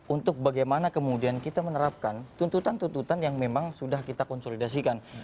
untuk bagaimana kemudian kita menerapkan tuntutan tuntutan yang memang sudah kita konsolidasikan